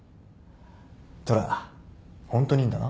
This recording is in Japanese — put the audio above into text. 虎ホントにいいんだな？